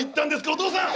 お父さん！